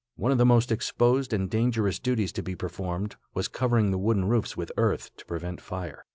One of the most exposed and dangerous duties to be performed was covering the wooden roofs with earth to prevent fire.